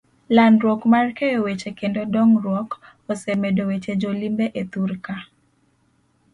Landruok mar keyo weche kendo dong'ruok, osemedo weche jo limbe e thurka.